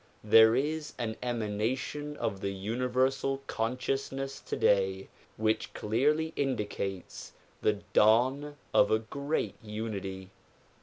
There is an emanation of the universal consciousness today which clearly indicates the dawn of a great unity.